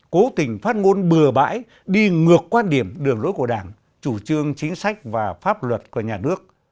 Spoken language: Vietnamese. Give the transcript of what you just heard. cố tình phát ngôn bừa bãi đi ngược quan điểm đường lối của đảng chủ trương chính sách và pháp luật của nhà nước